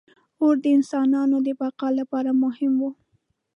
• اور د انسانانو د بقا لپاره مهم و.